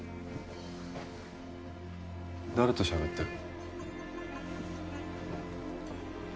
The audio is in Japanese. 誰としゃべってる？